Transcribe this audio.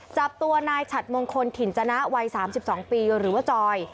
จับตัวนายฉัดมงคลถิ่นจนะวัย๓๒ปีหรือว่าจอย